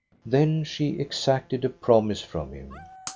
Then she exacted a promise from him.